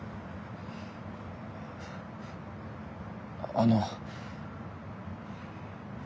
あの。